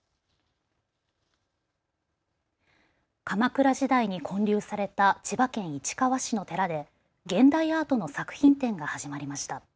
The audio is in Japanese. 鎌倉時代に建立された千葉県市川市の寺で現代アートの作品展が始まりました。